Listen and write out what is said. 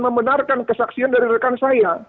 membenarkan kesaksian dari rekan saya